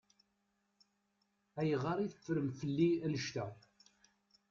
Ayɣer i teffrem fell-i annect-a?